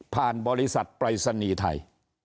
ผ่านบริษัทปริศนีย์ไทย